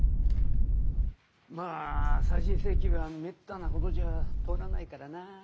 まあ再審請求はめったなことじゃ通らないからな。